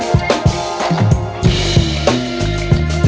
nggak ada yang denger